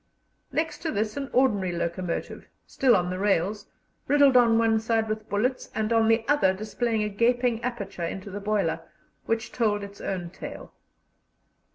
Next to this, an ordinary locomotive, still on the rails, riddled on one side with bullets, and on the other displaying a gaping aperture into the boiler, which told its own tale.